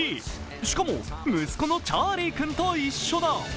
しかも息子のチャーリー君と一緒だ。